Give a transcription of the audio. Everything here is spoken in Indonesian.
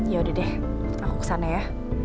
yaudah deh aku kesana ya